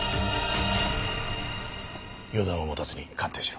予断を持たずに鑑定しろ。